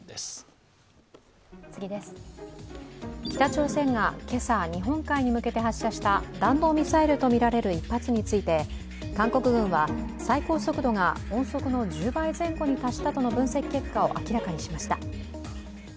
北朝鮮が今朝、日本海に向けて発射した弾道ミサイルとみられる一発について韓国軍は最高速度が音速の１０倍近くに達したとの分析結果を明らかにしました。